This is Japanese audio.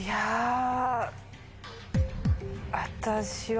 私は。